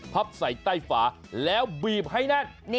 พับใส่ใต้ฝาแล้วบีบให้แน่น